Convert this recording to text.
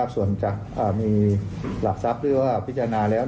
ส่วนจะมีหลักทรัพย์หรือว่าพิจารณาแล้ว